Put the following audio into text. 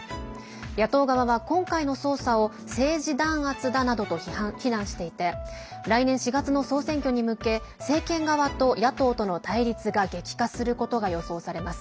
野党側は今回の捜査を政治弾圧だなどと非難していて来年４月の総選挙に向け政権側と野党との対立が激化することが予想されます。